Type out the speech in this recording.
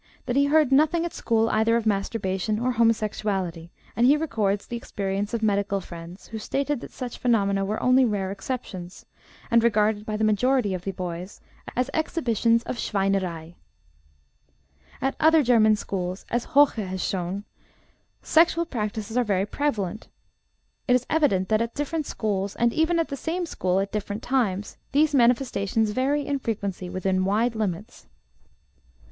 354 56, 1899) that he heard nothing at school either of masturbation or homosexuality, and he records the experience of medical friends who stated that such phenomena were only rare exceptions, and regarded by the majority of the boys as exhibitions of "Schweinerei." At other German schools, as Hoche has shown, sexual practices are very prevalent. It is evident that at different schools, and even at the same school at different times, these manifestations vary in frequency within wide limits.